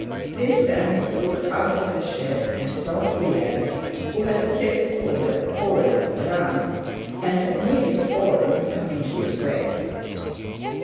Prince Andrew looked out of the shed and saw Pierre, who had tripped over a pole on the ground and had nearly fallen, coming his way.